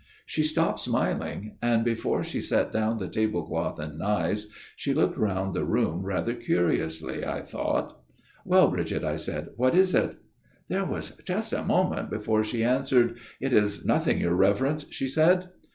She stopped smiling, and before she set down the tablecloth and knives she looked round the room rather curiously, I thought. "' Well, Bridget,' I said, ' what is it ?'" There was just a moment before she answered. "* It is nothing, your Reverence,' she said.